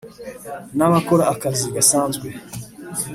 n’abakora akazi gasanzwe